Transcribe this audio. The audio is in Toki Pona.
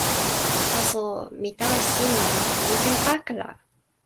taso, mi tawa sin la, mi ken pakala!